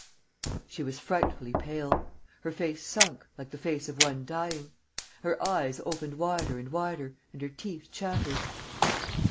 She was frightfully pale, her face sunk, like the face of one dying. Her eyes opened wider and wider and her teeth chattered....